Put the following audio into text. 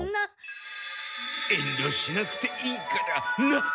遠慮しなくていいからなっ！